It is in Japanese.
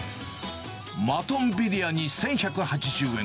マトンビリヤニ１１８０円。